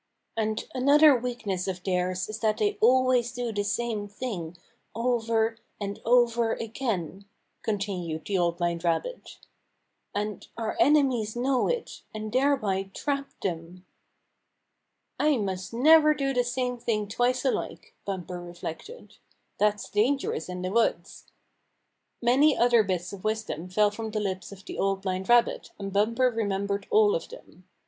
And another weakness of theirs is that they Bumper Hunts With the Pack 13 always do the same thing over and over again," continued the Old Blind Rabbit, "and our enemies know it, and thereby trap them." " I must never do the same thing twice alike," Bumper reflected. "That's dangerous in the woods." Many other bits of wisdom fell from the lips of the Old Blind Rabbit, and Bumper remem bered all of them.